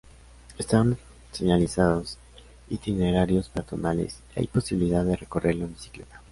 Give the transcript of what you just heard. Están señalizados itinerarios peatonales y hay posibilidad de recorrerlo en bicicleta.